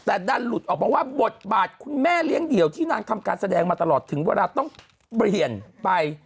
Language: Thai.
แต่ดันหลุดออกมาว่าบทบาทคุณแม่เลี้ยงเดี่ยวที่นางทำการแสดงมาตลอดถึงเวลาต้องเปลี่ยนไป